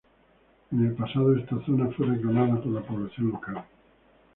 En el pasado, esta zona fue reclamada por la población local.